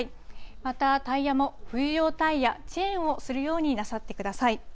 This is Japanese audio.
また、タイヤも冬用タイヤ、チェーンをするようになさってください。